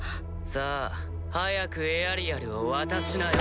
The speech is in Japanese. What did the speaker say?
さあ早くエアリアルを渡しなよ。